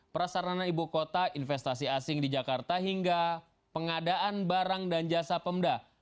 prasarana ibu kota investasi asing di jakarta hingga pengadaan barang dan jasa pemda